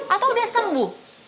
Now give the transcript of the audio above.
atau udah sembuh